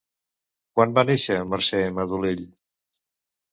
Quan va néixer Mercè Madolell?